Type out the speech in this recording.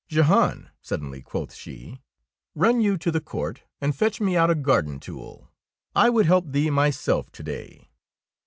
''Jehan,'^ suddenly quoth she, "run you to the court and fetch me out a garden tool. I would help thee myself to day."